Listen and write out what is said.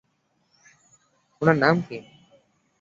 উনার নাম কী?